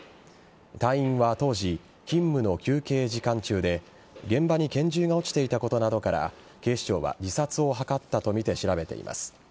隊員は当時、勤務の休憩時間中で現場に拳銃が落ちていたことなどから警視庁は自殺を図ったとみて調べています。